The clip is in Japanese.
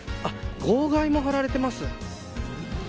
号外も貼られています。